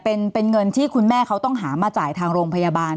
เป็นเงินที่คุณแม่เขาต้องหามาจ่ายทางโรงพยาบาล